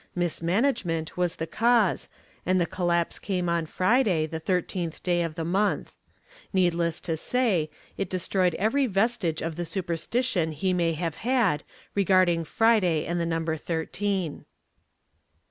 Mismanagement was the cause and the collapse came on Friday, the thirteenth day of the month. Needless to say, it destroyed every vestige of the superstition he may have had regarding Friday and the number thirteen.